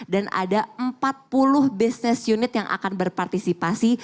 dan ada empat puluh business unit yang akan berpartisipasi